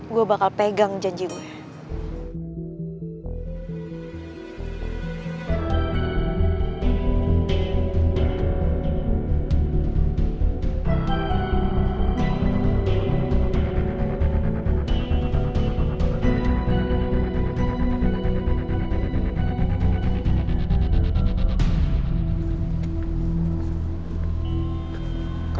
gue bakal pegang janji gue